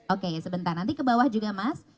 oke sebentar nanti ke bawah juga mas